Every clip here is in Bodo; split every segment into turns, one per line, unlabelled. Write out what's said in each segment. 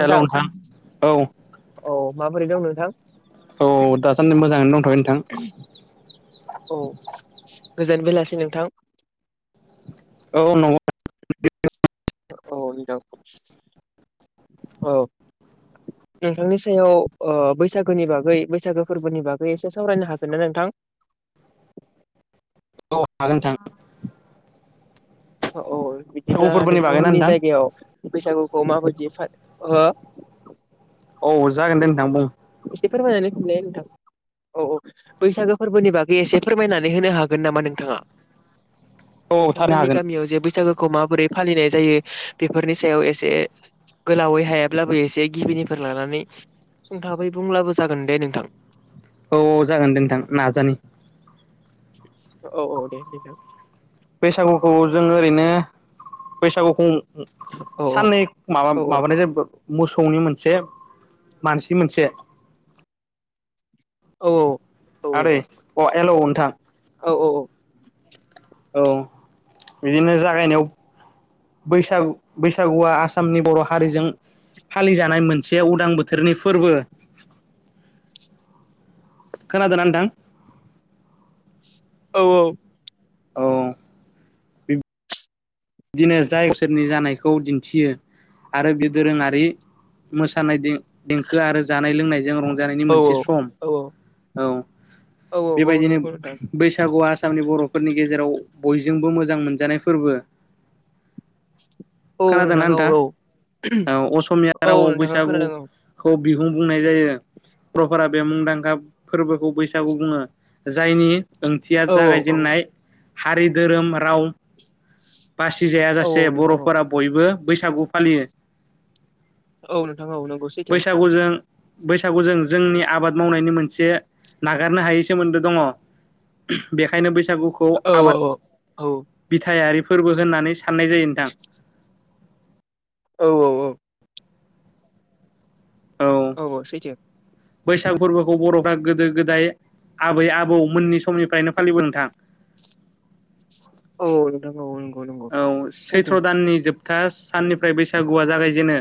हेल' नोंथां औ।
औ माबोरै दं नोंथां?
औ दासान्दि मोजाङैनो दंथ'यो नोंथां।
औ गोजोनबेलासै नोंथां।
औ औ [unintelligible]
औ नोंथां औ। नोंथांनि सायाव ओ बैसागोनि बागै बैसागो फोरबोनि बागै एसे सावरायनो हागोन ना नोंथां? ए।
औ हागोन नोंथां।
औ
फोरबो
बिदिब्ला
फोरबोनि बागैना
नोंथांमोननि
नोंथां
जायगायाव बैसागु खौ मााबदि फा ओ
औ जागोन दे नोंथां बुं।
[unintelligible] औ औ बैसागो फोरबोनि बागै एसे फोरमायनानै होनो हागोन नामा नोंथाङा?
औ थारनो
नोंथांमोननि
हागोन
गामियाव जे बैसागो खौ माबोरै फालिनाय जायो बेफोरनि सायाव एसे। गोलावै हायाब्लाबो एसे गिबिनिफोर लानानै सुंथाबै बुंब्लाबो जागोन दे नोंथां।
औ जागोन दे नोंथां नाजानि।
औ औ दे दे।
बैसागुखौ जोङ ओरैनो बैसागुखौ
औ
साननै माबा
औ
माबानाय जायोबा मोसौनि मोनसे मानसिनि मोनसे।
औ औ औ
आदै
नोंथां
अ' हेल' नोंथां
औ औ औ
औ बिदिनो जागायनायाव बैसागु बैसागुआ आसामनि बर' हारिजों फालिजानाय मोनसे उदां बोथोरनि फोरबो।
[inaudible]
खोनादोंना नोंथां?
औ औ
औ बिदिनो जायफोरनि जानायखौ दिन्थियो आरो बे दोरोङारि मोसानाय देंखो आरो जानाय लोंनायजों रं जानायनि
औ
मोनसे सम।
औ
औ
औ
बेबायदिनो
नंगौ नोंथां
बैसागुआ आसामनि बर'फोरनि गेजेराव बयजोंबो मोजां मोनजानाय फोरबो।
औ
खोनादोंना
नोंथां औ
नोंथांया? औ असमिया
औ
रावआव
नोंथाङा खोनादों
बैसागुखौ बिहु बुंनाय जायो। बर'फोरा बे मुंदांखा फोरबोखौ बैसागु बुङो। जायनि ओंथिया
औ औ
जागायजेननाय हारि धोरोम राव
औ
बासिजायाजासे
नोंथां औ
बर'फोरा बयबो बैसागु फालियो।
औ नोंथां औ नंगौ सैथो
बैसागु जों बैसागु जों जोंनि आबाद मावनायनि मोनसे नागारनो हायै सोमोन्दो दङ। बेखायनो बै बैसागुखौ
औ औ
आबाद
औ औ
बिथायारि फोरबो होननानै साननाय जायो नोंथां।
औ औ औ औ औ सैथो।
बैसाग फोरबोखौ बर'फ्रा गोदो गोदाय आबै आबौ मोननि समनिफ्रायनो फालिबोनाय नोंथां।
औ नोंथां औ नंगौ। नंगौ
औ
सैथो
सैथ्र' दाननि जोब था साननिफ्राय बैसागुआ जागायजेनो।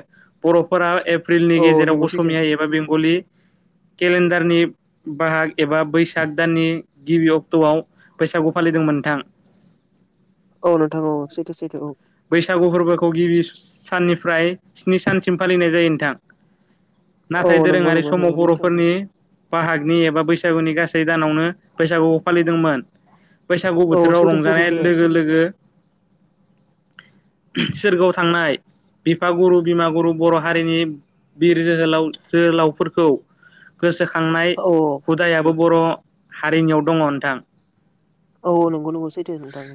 बर'फोरा ए प्रिलनि
औ
गेजेराव
नंगौ सैथो
असमिया एबा बेंगलि केलेन्डारनि बाहाग एबा बैसाग दाननि गिबि अक्ट'आव बैसागु फालिदोंमोन नोंथां।
औ नोंथां औ सैथो सैथो औ।
बैसागु फोरबोखौ गिबि साननिफ्राय स्नि सानसिम फालिनाय जायो नोंथां। नाथाय
औ नंगौ
दोरोङारि
नंगौ
समाव
नंगौ सैथो
बर'फोरनि बाहागनि एबा बैसागुनि गासै दानावनो बैसागुखौ फालिदोंमोन। बैसागु
औ
बोथोराव
सैथो सैथो
रंजानाय
सैथो
लोगो लोगो सोरगोआव थांनाय बिफागुरु बिमा गुरु बर' हारिनि बिर जोहोलाव जोहोलावफोरखौ गोसो खांनाय
औ
हुदायाबो बर' हारिनियाव दङ नोंथां।
औ नंगौ नंगौै सैथो नोंथां।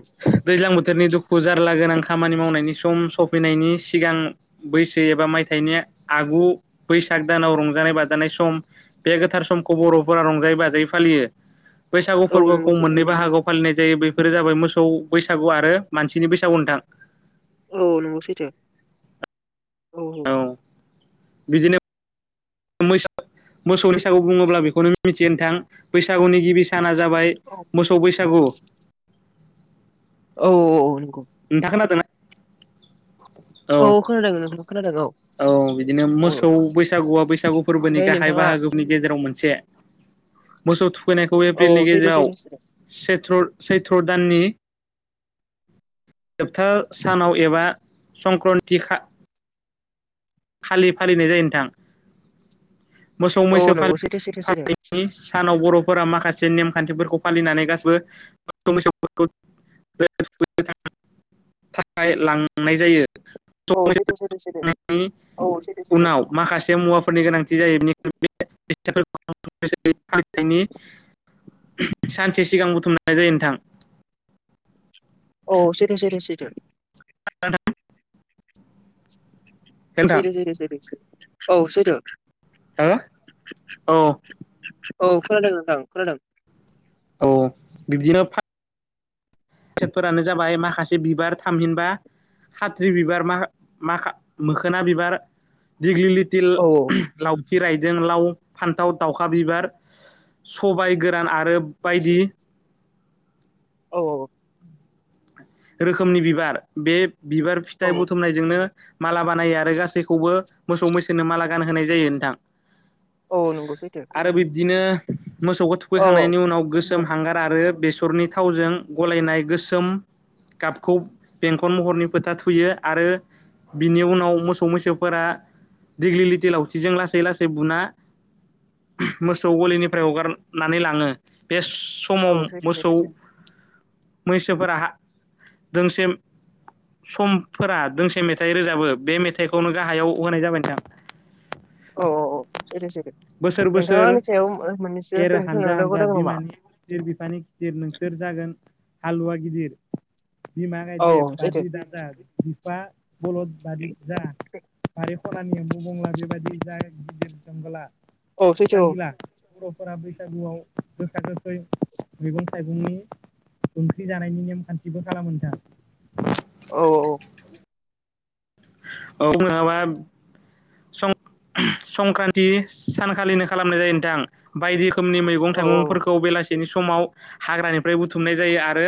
दैज्लां बोथोरनि दुखु जारला गोनां खामानि मावनायनि सम सफैनायनि सिगां बैसागु एबा मायथाइनि आगु बैसाग दानाव रंजानाय बाजानाय सम बे गोथार समखौ बर'फोरा रंजायै बाजायै फालियो। बैसागु
औ नंगौ
फोरबोखौ
सैथो
मोननै
नोंथां
बाहागोआव फालिनाय जायो बेफोर जाबाय मोसौ बैसागु आरो मानसिनि बैसागु नोंथां।
औ नंगौ सैथो औ
बिदिनो मोनो मोसौनि बैसागु बुङोब्ला बेखौनो मिथियो नोंथां बैसागुनि गिबि साना जाबाय मोसौ बैसागु।
औ औ नंगौ।
नोंथांङा खोनादोंना? औ
अ खोनादों नोंथां खोनादों।
औ बिदिनो
औ
मोसौ बैसागुआ बैसागु फोरबोनि
ओमफ्राय
गाहाय
नोंथाङा
बाहागोनि गेजेराव मोनसे से मोसौ थु फैनायखौ
औ औ
एप्रिलनि
सैथो
गेजेराव
सैथो सैथो
सैथ्र सैथ्र' दाननि जोबथा सानाव एबा संक्रान्तिखा खालि फालिनाय जायो नोंथां। मोसौ
औ
मैसो
नंगौ सैथो सैथो सैथो
फालिनाय सानाव बर'फोरा माखासे मोनसे नेमखान्थिफोरखौ फालिनानै गासिबो मोसौफोरखौ थाखाय लांनाय जायो
औ सैथो सैथो सैथो। औ सैथो सैथो
उनाव माखासे मुवाफोरनि गोनांथि जायो बेनिखायनो फालिथायनि ओम सानसे सिगां बुथुमनाय जायो नोंथां।
अ सैथो सैथो सैथो।
नोंथां
सैथो सैथो सैथो सैथो औ सैथो।
हो औ
औ खोनादोंनोंथां खोनादों।
औ बिब्दिनो फा फोरानो जाबाय माखासे बिबार थामहिनबा खााथ्रि बिबार मा माख मोखोना बिबार दिग्लि लिटिल
औ
लावथि रायदों लाव फान्थाव दावखा बिबार सबाय गोरान आरो बायदि
औ औ।
रोखोमनि बिबार बे बिबार
औ
फिथाइ
औ
बुथुमनायजोंनो माला बानायो आरो गासैखौबो मोसौ मैसोनो माला गानहोनाय जायो नोंथां।
औ नंगौ सैथो।
आरो बिब्दिनो मोसौखौ
औ औ
थुखैखांनायनि उनाव गोसो गोसोम हांगार आरो बेसरनि थावजों गलायनाय गोसोम गाबखौ बेंखन महरनि फोथा थुयो आरो बिनि उनाव मोसौ मैसोफोरा दिग्लि लिथि लावथिजों लासै लासै बुना मोसौ गलिनिफ्राय हगारनानै लाङो बे स समाव
औ सैथो
मोसौ
सैथो सैथो
मैसोफोरा दोंसे समफोरा दोंसे मेथाइ रोजाबो बे मेथाइखौनो गाहायाव होनाय जाबाय नोंथां।
औ औ औ सैथो सैथो।
बोसोर
नोंथाङा
बोसोर
आंनि सायाव मोननैसो
एर
सोंथि
हानजा
सोंनो
हानजा
गोनां दं नामा
बिमानि गिदिर बिफानि गिदिर नोंसोर जागोन हालुवा गिदिर। बिमा
औ
गायदे
औ सैथो
बादि दाजा बिफा बलद बादि जा बारि खनानि एमबु बंग्ला बेबायदि जा गिदिर जंगिला
औ सैथो औ
बर'फोरा बैसागुआव गोखा गोखै मैगं थाइगंनि ओंख्रि जानायनि नेमखान्थिबो खालामो नोंथां।
औ औ
औवा संक्रान्ति सानखालिनो खालामनाय जायो नोंथां बायदि रोखोमनि मैगं
औ
थाइगंफोरखौ बेलासिनि समाव हाग्रानिफ्राय बुथुमनाय जायो आरो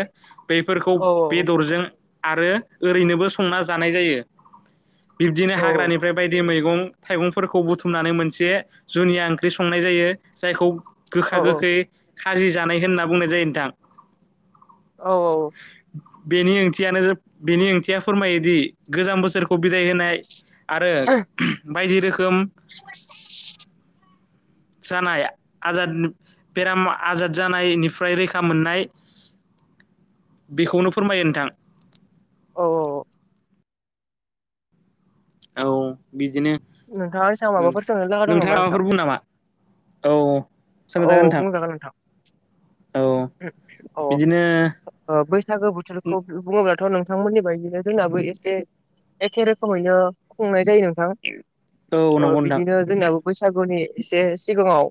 बैफोरखौ
औ
बेदरजों आरो ओरैनोबो संना जानाय जायो। बिब्दिनो
औ
हाग्रानिफ्राय बायदि मैगं थाइगंफोरखौ बुथुमनानै मोनसे जुनिया ओंख्रि संनाय जायो जायखौ गोखा
औ
गोखै खाजि जानाय होनना बुंनाय जायो नोंथां।
औ औ औ
बेनि ओंथियानो बेनि ओंथिया फोरमायोदि गोजाम बोसोरखौ बिदाय होनाय आरो बायदि रोखोम जानाय आजाद बेराम आजाद जानायनिफ्राय रैखा मोननाय
[inaudible]
बेखौनो फोरमायो नोंथां।
औ औ औ
औ बिदिनो
नोंथाङा आंनि सायाव माबाफोर सोंनो लागा दं
नोंथाङा
नामा नोंथां?
माबाफोर बुं नामा औ
औ बुंजागोन नोंथां
औ
अ ओ
बिदिनो
बैसागो बोथोरखौ बुङोब्लाथ' नों थांमोननि बायदिनो जोंनाबो एसे एखे रोखोमैनो खुंनाय जायो नोंथां।
औ
ओ
नंगौ नोंथां
बिदिनो जोंनियाबो बैसागुनि एसे सिगाङाव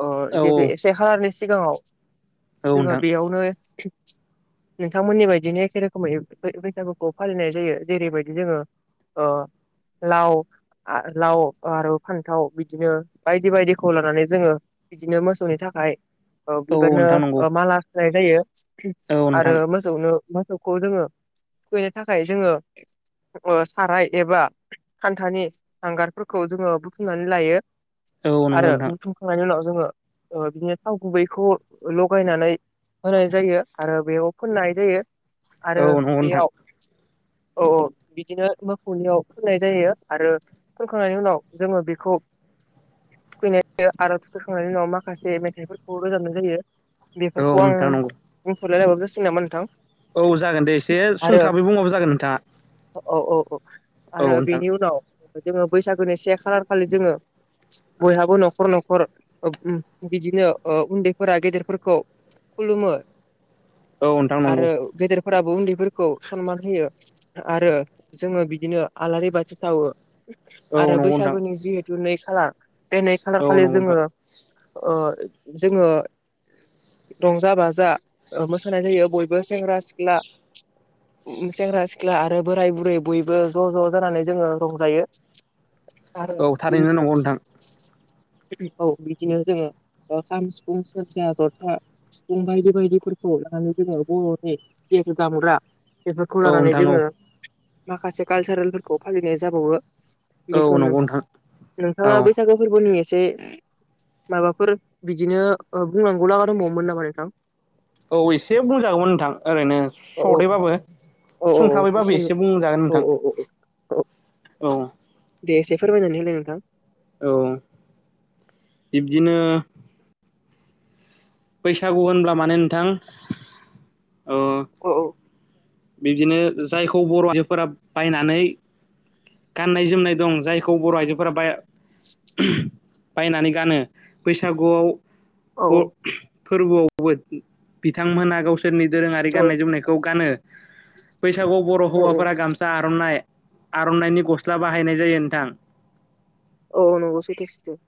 ओ
औ
जिहेतु से खालारनि सिगाङाव
औ
जोङो
नोंथां
बेयावनो नोंथांमोननि बायदिनो एखे रोखोमै बैसागुखौ फालिनाय जायो जेरैबायदि जोङो ओ लाव आ लाव आरो फान्थाव बिदिनो बायदि बायदिखौ लानानै जोङो बिदिनो मोसौनि थाखाय ओ
औ नोंथां नंगौ
बिदिनो माला सुनाय जायो
औ
आरो
नोंथां
मोसौनो मोसौखौ जोङो थुखैनो थाखाय जोङो ओ साराय एबा हान्थानि हांगारफोरखौ जोङो बुथुमनानै लायो
औ नंगौ नोंथां
आरो थुखैखांनायनि उनाव ओ जोङो बिदिनो थाव गुबैखौ ल गायनानै होनाय जायो आरो बेयाव फोननाय जायो आरो
औ नंगौ नोंथां
बेयाव औ औ बिदिनो मोखौनियाव फोननाय जायो आरो फोनखांनायनि उनाव जोङो बेखौ थुखैनाय आरो थुखैखांनायनि उनाव माखासे मेथाइफोरखौ रोजाबनाय जायो।
औ
बेफोरखौ आं
नोंथां नंगौ
बुंथ'लायलाब गोसो नामा नोंथां
औ जागोन दे एसे
आरो
संथाबै बुंबाबो जागोन नोंथाङा
औ औ औ
औ
आरो
नोंथां
बेनि उनाव जोङो बैसागोनि से खालार खालि जोङो बयहाबो न'खर न'खर अ बिदिनो ओ उन्दैफोरा गेदेर खौ खुलुमो
औ नोंथां नंगौ
आरो गेदेरफोराबो उन्दैफोरखौ सनमान होयो आरो जोङो बिदिनो आलारि बाथि सावो
औ
आरो
नंगौ नोंथां
बैसागुनि जिहेतु नै खालार बे नै
औ
खालारखालि
नंगौ
जोङो
नोंथां
ओ जोङो रंजा बाजा मोसानाय जायो बयबो सेंग्रा सिख्ला सेंग्रा सिख्ला आरो बोराय बुरै बयबो ज' ज' जानानै जोङो रंजायो।
औ थारैनो नंगौ नोंथां
[inaudible] औ बिदिनो जोङो ओ खाम सिफुं सेरजा ज था बायदि बायदिफोरखौ लानानै जोङो बर'नि जिहेथु दामग्रा बेफोरखौ
औ
लानानै
नोंथां औ
जोङो माखासे कालसारेलफोरखौ फालिनाय जाबावो
औ
बेखौ
नंगौ
नोंथां नोंथाङा
औ
बैसागु फोरबोनि एसे से माबाफोर बिदिनो बुंनांगौ लागा दंबावोमोन नामा नोंथां?
औ एसे बुंजागौमोन नोंथां ओरैनो
औ औ
सदैबाबो
औ औ
संथाबैबाबो
गुसुं
एसे बुंजागोन
औ
नोंथां।
औ औ औ
औ
दे एसे फोरमायनानै होलाय नोंथां
औ बिब्दिनो बैसागु होनब्ला माने नोंथां ओ
औ औ
बिब्दिनो जायखौ बर' आइजोफोरा बायनानै गाननाय जोमनाय दं जायखौ बर' आइजोफोरा बा बायनानै गानो बैसागुआव फोर
औ
फोरबोआवबो बिथांमोना गाव सोरनि दोरोङारि
औ
गाननाय जोमनायखौ गानो बैसागुआव बर'
औ
हौवाफोरा गामसा आरनाय आर'नाइनि गस्ला बाहायनाय जायो नोंथां
औ नंगौ सैथो सैथो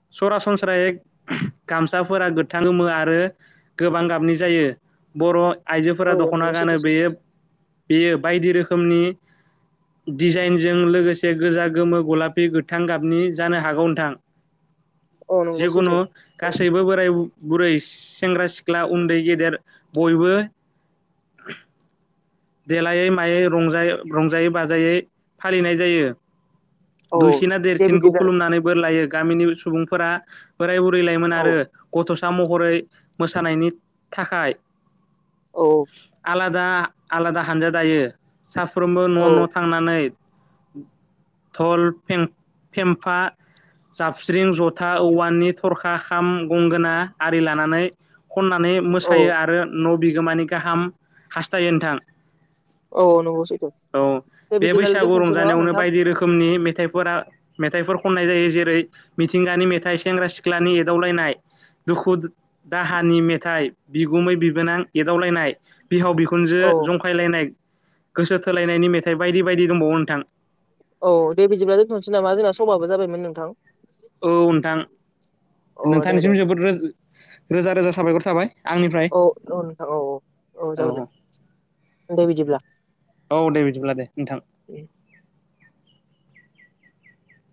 फ्राय गामसाफोरा गोथां गोमो आरो गोबां गाबनि जायो बर'
औ
आइजोफोरा दख'ना
नंगौ
गानो
सैथो सैथो
बेयो बेयो बायदि रोखोमनि दिजाइनजों लोगोसे गोजा गोमो गलाफि गोथां गाबनि जानो हागौ नोंथां
औ नंगौ
जिखुनु
सैथो औ
गासैबो बोराय बुरै सेंग्रा सिख्ला उन्दै गेदेर बयबो देलायै मायै रंजायै रंजायै बाजायै फालिनाय जायो
औ
दुइसिना
दे
देरसिनखौ
बिदिब्ला
खुलुमनानै बोर लायो गामिनि सुबुंफोरा बोराय बुरैलायोमोन
औ
आरो गथ'सा महरै मोसानायनि थाखाय
औ
दा आलादा हानजा दायो साफ्रोमबो
औ
न' न' थांनानै दल फेम फेमफा जाबस्रिं जथा औवानि थरखा खाम गंगोना आरि लानानै खननानै मोसायो
औ
आरो न' बिगोमानि गाहाम हास्थायो नोंथां
औ नंगौ सैथो
औ
दे
बे
बिदिब्लालाय
बैसागु
दोनथ'नोसै न'
रंजानायावनो
नोंथां
बायदि रोखोमनि मेथाइ फोर मेथाइफोर खननाय जायो जेरै मिथिंगानि मेथाइ सेंग्रा सिख्लानि एदावलायनाय दुखु दाहानि मेथाइ बिगुमै बिबोनां एदावलायनाय बिहाव बिखुं खुनजो
औ
जंखायलायनाय गोसो थोलायनायनि मेथाइ बायदि बायदि दंबावो नोंथां
औ दे बिदिब्ला दोनथ'नोसै नामा जोंना समाबो जाबायमोन नोंथां
औ नोंथां
अ दे दे
नोंथांनिसिम जोबोदो रोज रोजा रोजा साबायखर थाबाय आंनिफ्राय
औ औ नोंथां औ औ जागोन दे बिदिब्ला
औ दे बिदिब्ला दे नोंथां